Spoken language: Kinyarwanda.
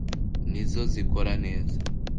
ni zo zikora neza.